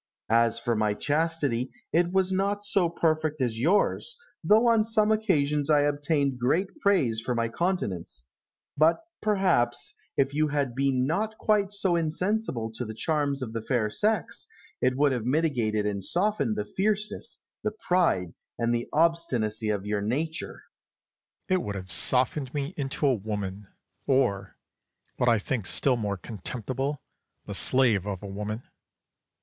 As for my chastity, it was not so perfect as yours, though on some occasions I obtained great praise for my continence; but, perhaps, if you had been not quite so insensible to the charms of the fair sex, it would have mitigated and softened the fierceness, the pride, and the obstinacy of your nature. Charles. It would have softened me into a woman, or, what I think still more contemptible, the slave of a woman.